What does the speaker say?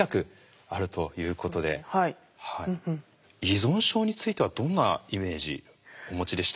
依存症についてはどんなイメージお持ちでした？